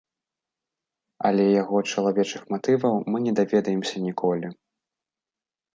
Але яго чалавечых матываў мы не даведаемся ніколі.